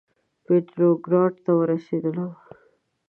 پتروګراډ ته ورسېدلم.